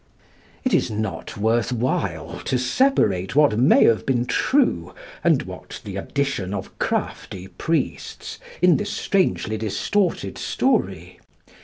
It is not worth while to separate what may have been true, and what the addition of crafty priests, in this strangely distorted story.